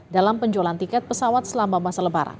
dalam penjualan tiket pesawat selama masa lebaran